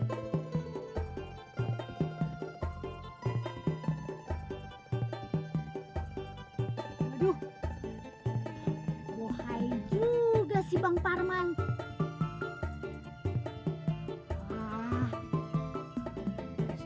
hai bencis was a jerken punya bandai